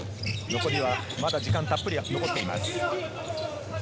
残りはまだ時間がたっぷり残っています。